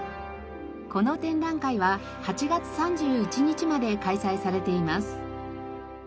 この展覧会は８月３１日まで開催されています。